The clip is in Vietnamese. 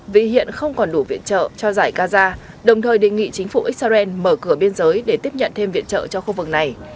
vì hiện không còn đủ viện trợ cho giải gaza đồng thời đề nghị chính phủ israel mở cửa biên giới để tiếp nhận thêm viện trợ cho khu vực này